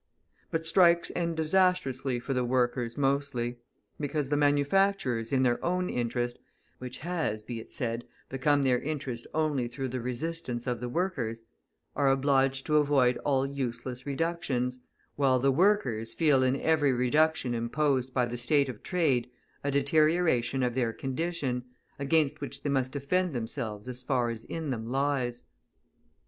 But strikes end disastrously for the workers mostly, because the manufacturers, in their own interest (which has, be it said, become their interest only through the resistance of the workers), are obliged to avoid all useless reductions, while the workers feel in every reduction imposed by the state of trade a deterioration of their condition, against which they must defend themselves as far as in them lies.